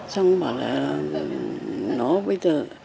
xong bảo là nó bây giờ